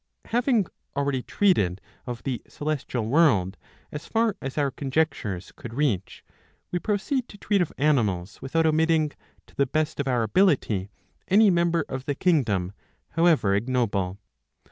Having already treated of the celestial world, as far as our conjectures could reach, we proceed to treat of animals, without omitting, to the best of our ability, any member of the kingdom, however ignoble.